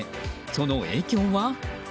その影響は。